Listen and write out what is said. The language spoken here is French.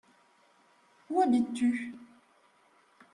Où habites-tu ?